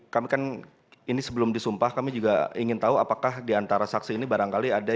kami kan ini sebelum disumpah kami juga ingin tahu apakah diantara saksi ini barangkali ada